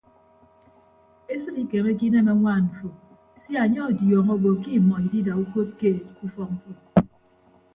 Esịd ikemeke inem añwaan mfo sia anye ọdiọñọ obo ke imọ idida ukod keed ke ufọk mfo.